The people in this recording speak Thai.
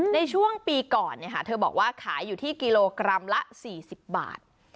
ในช่วงปีก่อนเธอบอกว่าขายอยู่ที่กิโลกรัมละ๔๐บาท